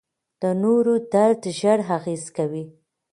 د نورو درد ژر اغېز کوي.